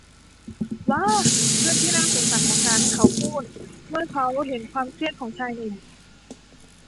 ว้า เพื่อนที่น่าสงสารของฉัน เขาพูด เมื่อเค้าเห็นความเครียดของชายหนุ่ม